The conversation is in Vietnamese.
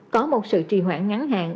có một sự trì hoãn ngắn hạn